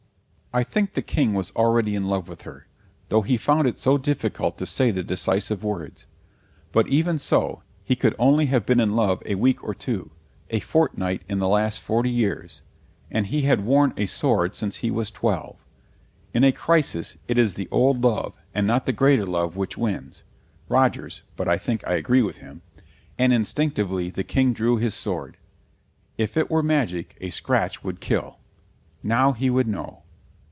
I think the King was already in love with her, though he found it so difficult to say the decisive words. But even so he could only have been in love a week or two; a fortnight in the last forty years; and he had worn a sword since he was twelve. In a crisis it is the old love and not the greater love which wins (Roger's, but I think I agree with him), and instinctively the King drew his sword. If it were magic a scratch would kill. Now he would know.